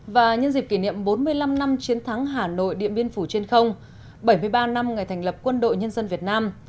và nhân dịp kỷ niệm bốn mươi năm năm chiến thắng hà nội điện biên phủ trên không bảy mươi ba năm ngày thành lập quân đội nhân dân việt nam